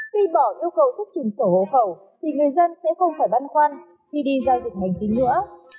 khi bỏ yêu cầu xuất trình sổ hộ khẩu thì người dân sẽ không phải băn khoăn khi đi giao dịch hành chính nữa